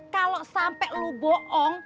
kalau sampai lu bohong